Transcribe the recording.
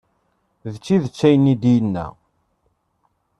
D tidet ayen i d-yenna.